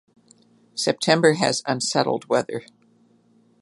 September has unsettled weather.